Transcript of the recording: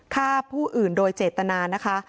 ฆ่าผู้อื่นโดยเจตนานะคะ